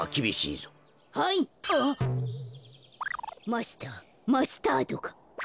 マスターマスタードが。